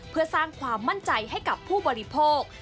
เพื่อสร้างความมั่นใจให้กับผู้บริโภค